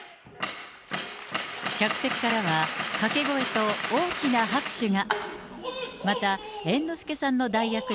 客席からは、掛け声と大きな拍手が。